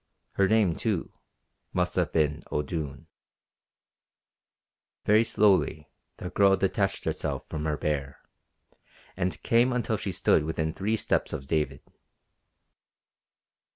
Her name, too, must have been O'Doone. Very slowly the girl detached herself from her bear, and came until she stood within three steps of David.